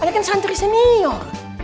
ada kan santri senior